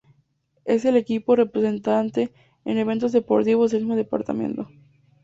Es el equipo representante en eventos deportivos del mismo departamento.